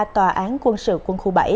tòa án quân sự quân khu bảy